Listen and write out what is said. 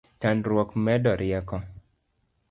Chandruok medo rieko